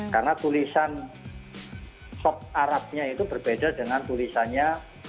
karena tulisan sop arabnya itu berbeda dengan tulisannya